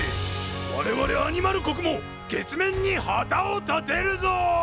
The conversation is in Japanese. われわれアニマル国も月面に旗を立てるぞ！